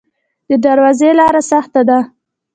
د درواز لاره سخته ده